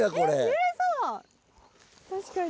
確かに。